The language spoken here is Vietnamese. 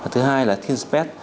thứ hai là tinpet